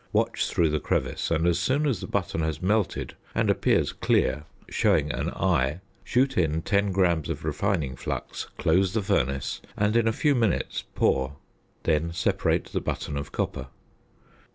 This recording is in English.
Watch through the crevice, and, as soon as the button has melted and appears clear showing an eye, shoot in 10 grams of refining flux, close the furnace, and, in a few minutes, pour; then separate the button of copper.